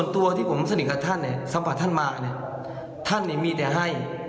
ตัวที่ผมสนิกกับท่านเนี่ยสัมผัสท่านมากเนี่ยท่านเนี่ยมีแต่ให้